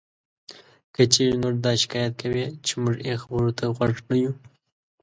که چېرې نور دا شکایت کوي چې مونږ یې خبرو ته غوږ نه یو